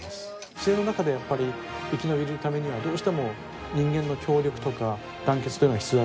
自然の中でやっぱり生き延びるためにはどうしても人間の協力とか団結というのが必要だということですね。